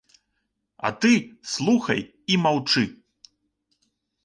А ты слухай і маўчы.